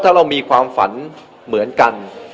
ถ้าเรามีความฝันเหมือนกัน